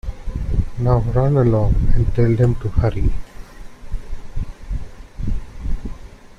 Now run along, and tell them to hurry.